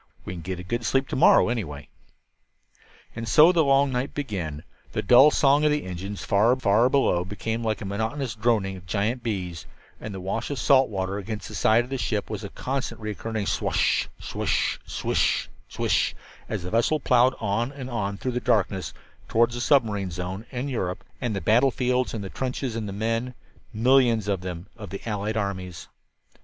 We can get a good sleep to morrow, anyway." And so the long night began. The dull song of the engines, far, far below, became like the monotonous droning of giant bees, and the wash of the salt water against the side of the ship was a constantly recurring swash h h swish swash h h swish as the vessel plowed on and on through the darkness, toward the submarine zone and Europe and the battlefields and the trenches and the men millions of them of the Allied armies.